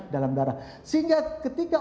dalam darah sehingga ketika